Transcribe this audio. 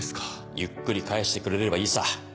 ゆっくり返してくれればいいさ。